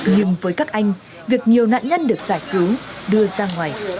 nhưng với các anh việc nhiều nạn nhân được giải cứu đưa ra ngoài